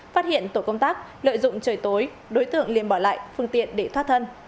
phát hiện tổ công tác lợi dụng trời tối đối tượng liêm bỏ lại phương tiện để thoát thân